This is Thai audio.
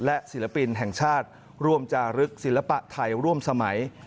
และศิลปินแห่งชาติร่วมจารึกศิลปะไทยร่วมสมัย